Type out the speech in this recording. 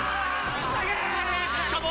しかも。